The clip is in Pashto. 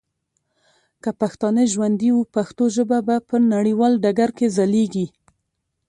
که پښتانه ژوندي وه ، پښتو ژبه به په نړیوال ډګر کي ځلیږي.